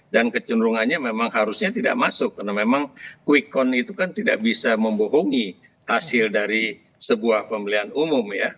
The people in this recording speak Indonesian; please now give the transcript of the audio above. dan kecenderungannya memang harusnya tidak masuk karena memang quick con itu kan tidak bisa membohongi hasil dari sebuah pembelian umum ya